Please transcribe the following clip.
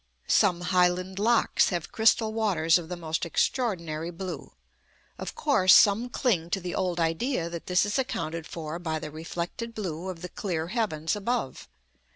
Some Highland lochs have crystal waters of the most extraordinary blue. Of course, some cling to the old idea that this is accounted for by the reflected blue of the clear heavens above.